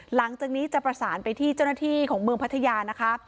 หลังจากนี้จะประสานไปที่เจ้าหน้าที่ของเมืองพัทยานะคะ